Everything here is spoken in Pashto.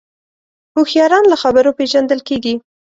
هوښیاران له خبرو پېژندل کېږي